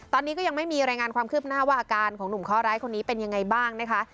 ตอนนี้ก็ยังไม่มีรายงานความคืบหน้าว่าอาการของหนุ่มข้อร้ายคนนี้เป็นยังไงบ้างนะคะ